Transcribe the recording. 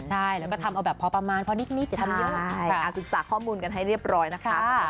ใช่แล้วก็ทำเอาแบบพอประมาณพอนิดใช่ศึกษาข้อมูลกันให้เรียบร้อยนะคะ